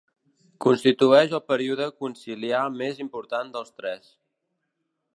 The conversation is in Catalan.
Constituïx el període conciliar més important dels tres.